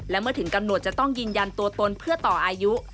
และเมื่อถึงกำหนดจะต้องยืนยันตัวตนเพื่อต่ออายุ